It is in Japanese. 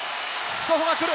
ソホが来る。